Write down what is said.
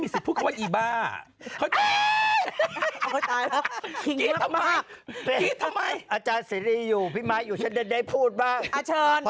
ไม่ดีเราจะส่งเสริมให้พี่